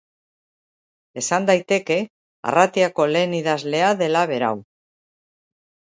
Esan daiteke, arratiako lehen idazlea dela berau.